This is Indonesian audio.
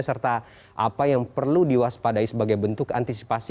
serta apa yang perlu diwaspadai sebagai bentuk antisipasi